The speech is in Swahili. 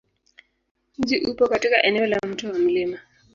Mji upo katika eneo la Mto wa Mt.